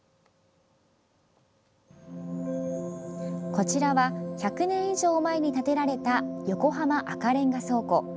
こちらは１００年以上前に建てられた横浜赤レンガ倉庫。